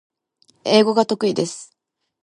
英語が得意です